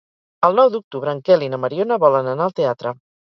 El nou d'octubre en Quel i na Mariona volen anar al teatre.